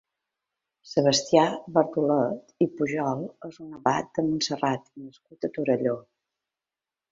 Sebastià Bardolet i Pujol és un abat de Montserrat nascut a Torelló.